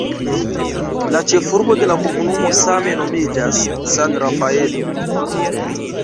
La ĉefurbo de la komunumo same nomiĝas "San Rafael".